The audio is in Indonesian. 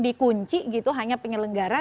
dikunci gitu hanya penyelenggara